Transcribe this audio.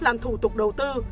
làm thủ tục đầu tư